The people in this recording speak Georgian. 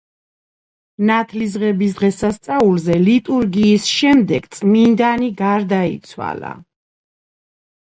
ნათლისღების დღესასწაულზე, ლიტურგიის შემდეგ, წმიდანი გარდაიცვალა.